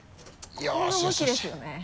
ここの動きですよね。